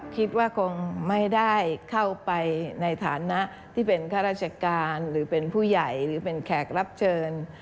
คิดว่าคงไม่ได้เข้าไปในฐานะที่เป็นข้าราชการหรือเป็นผู้ใหญ่หรือเป็นแขกรับเชิญ